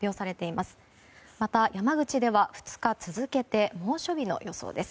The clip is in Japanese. また山口では２日続けて猛暑日の予想です。